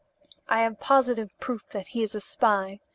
I have positive proof that he is a spy.